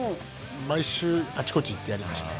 毎週あちこち行ってやりました。